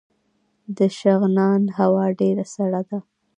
د شغنان هوا ډیره سړه ده